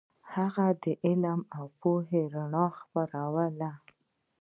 هغه د علم او پوهې رڼا خپروله.